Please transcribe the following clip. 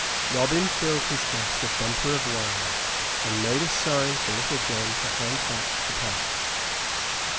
Robin filled his guest a bumper of wine, and made a sign for Little John to hand back the pouch.